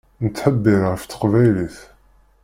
Nettḥebbiṛ ɣef teqbaylit.